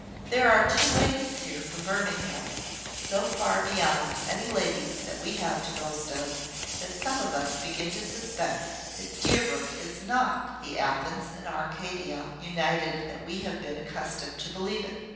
"There are two ladies here from Birmingham, so far beyond any ladies that we have to boast of, that some of us begin to suspect that Deerbrook is not the Athens and Arcadia united that we have been accustomed to believe it.